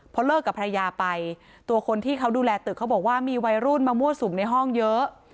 พอเลิกกับภรรยาไปตัวคนที่เขาดูแลตึกเขาบอกว่ามีวัยรุ่นมามั่วสุมในห้องเยอะ